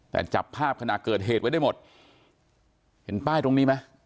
แต่จับภาพขณะเกิดเหตุไว้ได้หมดเห็นป้ายตรงนี้ไหม